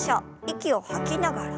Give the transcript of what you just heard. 息を吐きながら。